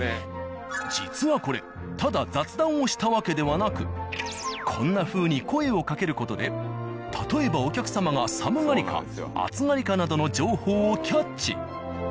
実はこれただ雑談をしたわけではなくこんなふうに声をかける事で例えばお客様が寒がりか暑がりかなどの情報をキャッチ。